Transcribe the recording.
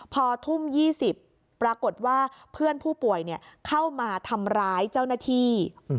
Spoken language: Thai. พอทุ่ม๒๐ปรากฏว่าเพื่อนผู้ป่วยเข้ามาทำร้ายเจ้าหน้าที่